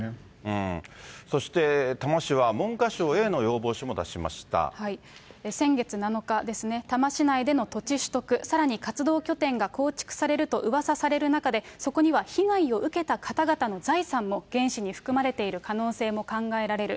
そして多摩市は、文科省への先月７日ですね、多摩市内での土地取得、さらに活動拠点が構築されるとうわさされる中で、そこには被害を受けた方々の財産も原資に含まれている可能性も考えられる。